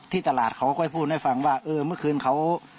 ตลาดเขาก็ค่อยพูดให้ฟังว่าเออเมื่อคืนเขา